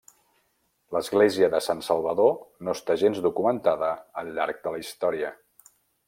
L'església de Sant Salvador no està gens documentada al llarg de la història.